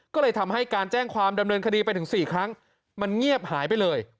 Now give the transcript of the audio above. ก็เลยทำให้การแจ้งความดำเนินคดีไปถึง๔ครั้งมันเงียบหายไปเลย